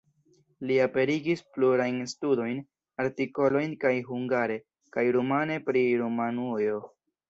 Li aperigis plurajn studojn, artikolojn kaj hungare kaj rumane pri Rumanujo.